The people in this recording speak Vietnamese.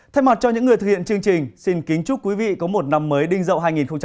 thay mặt cho những người thực hiện chương trình xin kính chúc quý vị có một năm mới đinh dậu hai nghìn hai mươi